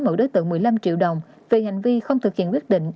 mẫu đối tượng một mươi năm triệu đồng về hành vi không thực hiện quyết định